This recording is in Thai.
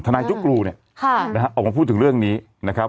ทนัยจุ๊กรูค่ะออกมาพูดเรื่องนี้นะครับ